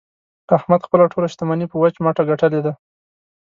احمد خپله ټوله شمني په وچ مټه ګټلې ده.